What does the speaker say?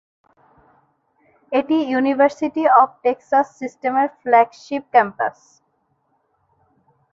এটি university of Texas সিস্টেমের flagship campus.